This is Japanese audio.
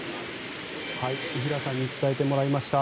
伊平さんに伝えてもらいました。